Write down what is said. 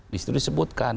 di situ disebutkan